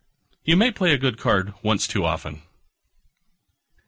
You may play a good card once too often.